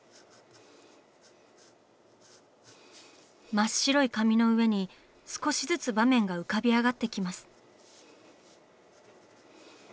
真っ白い紙の上に少しずつ場面が浮かび上がってきます。